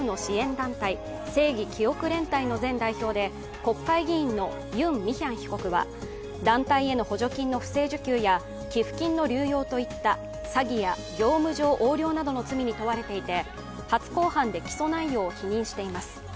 団体正義記憶連帯の前代表で国会議員のユン・ミヒャン被告は、団体への補助金の不正受給や寄付金の流用といった、詐欺や業務上横領などの罪に問われていて初公判で起訴内容を否認しています。